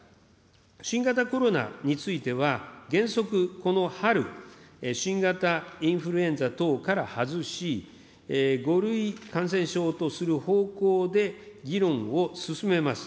新型コロナについては、原則、この春、新型インフルエンザ等から外し、５類感染症とする方向で議論を進めます。